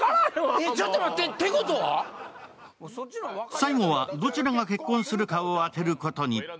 最後はどちらが結婚するかを当てることに。